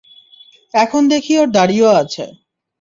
এখন দেখি ওর দাড়িও আছে।